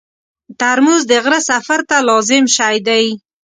ترموز د غره سفر ته لازم شی دی.